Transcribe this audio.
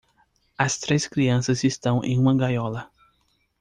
As três crianças estão em uma gaiola.